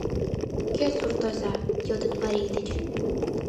— Кӧ суртоза? — йодыт марий деч.